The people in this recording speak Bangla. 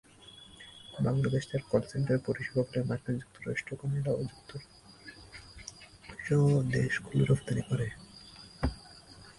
বাংলাদেশ তার কল সেন্টার পরিষেবাগুলি মার্কিন যুক্তরাষ্ট্র, কানাডা এবং যুক্তরাজ্য সহ দেশগুলিতে রফতানি করে।